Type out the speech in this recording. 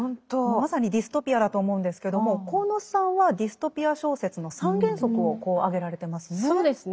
まさにディストピアだと思うんですけども鴻巣さんはディストピア小説の３原則をこう挙げられてますね。